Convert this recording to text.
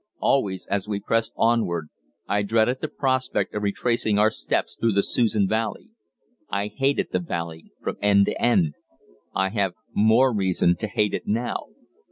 Always, as we pressed onward, I dreaded the prospect of retracing our steps through the Susan Valley. I hated the valley from end to end. I have more reason to hate it now.